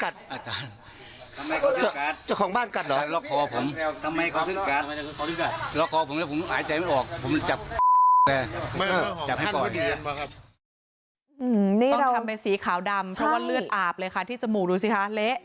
ต้องทำเป็นสีขาวดำเพราะว่าเลือดอาบเลยค่ะที่จมูกดูสิคะเละ